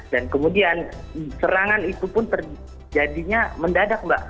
kemudian serangan itu pun terjadinya mendadak mbak